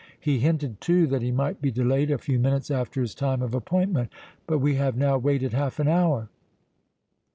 He hinted, too, that he might be delayed a few minutes after his time of appointment—but we have now waited half an hour."